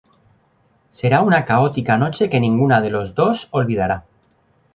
Será una caótica noche que ninguna de los dos olvidará.